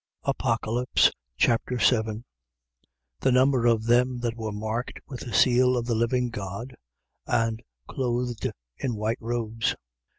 Apocalypse Chapter 7 The number of them that were marked with the seal of the living God and clothed in white robes.